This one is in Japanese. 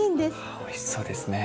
ああおいしそうですね。